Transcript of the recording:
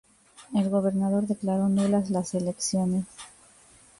El gobernador declaró nulas las elecciones.